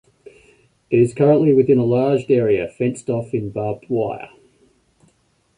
It is currently within a large area fenced off in barbed wire.